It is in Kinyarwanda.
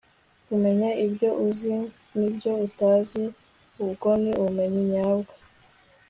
kumenya ibyo uzi nibyo utazi, ubwo ni ubumenyi nyabwo. - confucius